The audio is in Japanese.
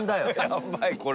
やばいこれ。